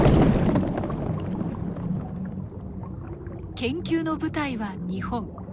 研究の舞台は日本。